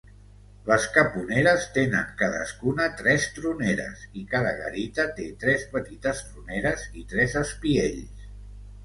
Les caponeres tenen cadascuna tres troneres, i cada garita tres petites troneres i tres espiells.